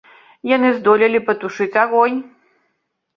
Яны здолелі патушыць агонь.